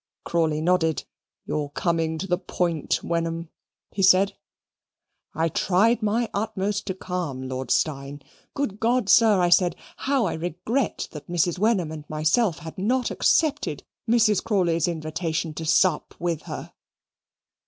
Crawley nodded. "You're coming to the point, Wenham," he said. "I tried my utmost to calm Lord Steyne. 'Good God! sir,' I said, 'how I regret that Mrs. Wenham and myself had not accepted Mrs. Crawley's invitation to sup with her!'"